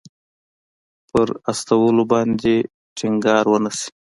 پر استولو باندې ټینګار ونه شي.